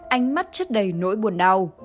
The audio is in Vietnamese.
ánh mắt chất đầy nỗi buồn đau